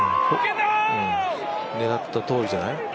狙ったとおりじゃない？